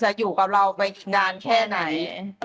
อยู่กับเราไปนานแค่ไหน